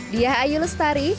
dia ayu lestari